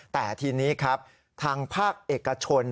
แต่ทีนี้ครับทางภาคเอกชน